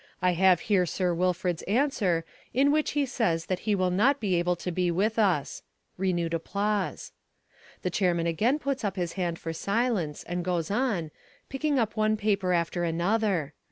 I have here Sir Wilfrid's answer in which he says that he will not be able to be with us" (renewed applause). The chairman again puts up his hand for silence and goes on, picking up one paper after another.